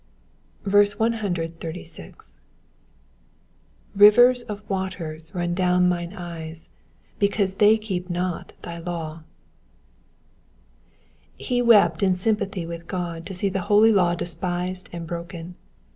136. ''^Rivers of waters run down mine eyes, because they keep not thy law,^^ He wept in sympathy with God to see the holy law despised and broken.